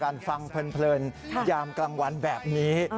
ฟังเพลินยามกลางวันแบบนี้